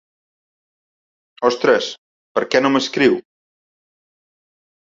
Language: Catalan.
Ostres, per què no m'escriu?